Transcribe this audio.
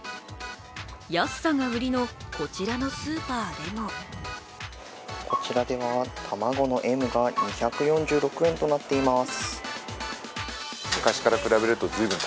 安さが売りの、こちらのスーパーでもこちらでは卵のＭが２４８円となっています。